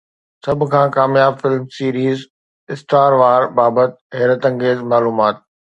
سڀ کان ڪامياب فلم سيريز، اسٽار وار بابت حيرت انگيز معلومات